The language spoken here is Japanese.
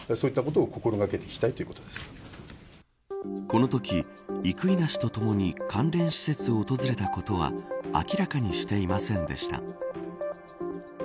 このとき、生稲氏とともに関連施設を訪れたことは明らかにしていませんでした。